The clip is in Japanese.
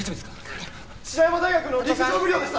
白山大学の陸上部寮です